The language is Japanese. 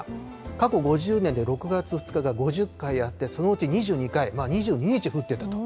過去５０年で６月２日が５０回あって、そのうち２２回、２２日降ってたと。